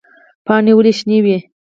پاڼې ولې شنې وي؟